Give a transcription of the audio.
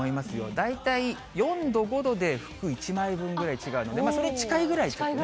大体４度、５度で服１枚分ぐらい違うので、それに近いぐらいですね。